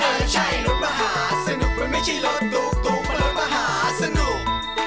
เออใช่รถมหาสนุกมันไม่ใช่รถตุ๊กรถมหาสนุก